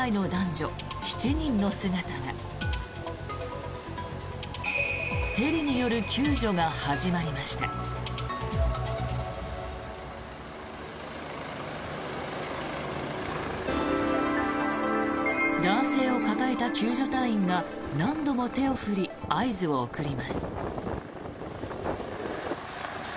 男性を抱えた救助隊員が何度も手を振り合図を送ります。